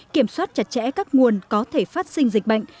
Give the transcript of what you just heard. kiểm soát chặt chẽ các nguồn có thể phát sinh dịch bệnh